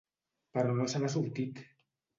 Però no se n'ha sortit.